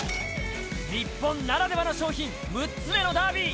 日本ならではの商品６つ目のダービー。